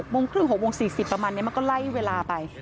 โมงครึ่ง๖โมง๔๐ประมาณนี้มันก็ไล่เวลาไป